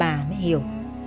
bà mới hiểu